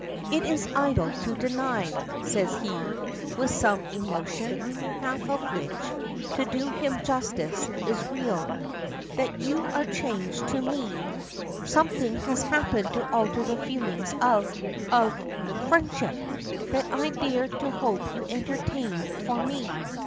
"It is idle to deny," says he, with some emotion, half of which, to do him justice, is real, "that you are changed to me; something has happened to alter the feelings of of friendship that I dared to hope you entertained for me.